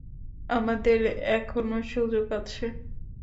আমাদের এখনো সুযোগ আছে।